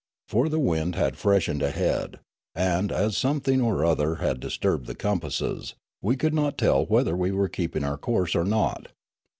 For the wind had freshened ahead, and, as something or other had disturbed the compasses, we could not tell whether we were keeping our course or not.